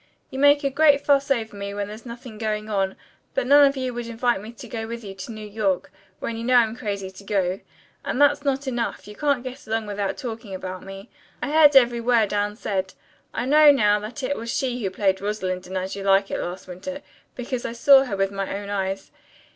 "You make a great fuss over me when there's nothing going on, but none of you would invite me to go with you to New York, when you know I'm crazy to go. And that's not enough, you can't get along without talking about me. I heard every word Anne said. I know now that it was she who played Rosalind in 'As You Like It' last winter, because I saw her with my own eyes.